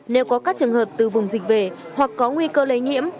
nếu có các trường hợp từ vùng dịch về hoặc có nguy cơ lây nhiễm